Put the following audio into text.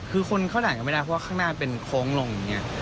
คือคนเข้าด่านก็ไม่ได้เพราะว่าข้างหน้าเป็นโค้งลงอย่างนี้